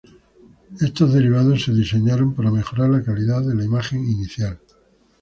Estos derivados se diseñaron para mejorar la calidad de la imagen inicial.